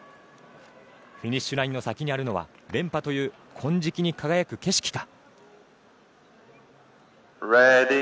フィニッシュラインの先にあるのは連覇という金色に輝く景色か。